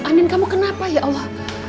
amin kamu kenapa ya allah